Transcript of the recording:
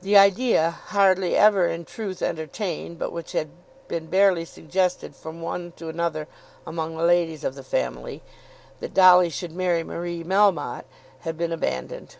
The idea, hardly ever in truth entertained but which had been barely suggested from one to another among the ladies of the family, that Dolly should marry Marie Melmotte, had been abandoned.